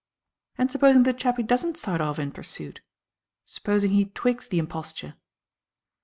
"And supposing the chappie doesn't start off in pursuit? Supposing he twigs the imposture?"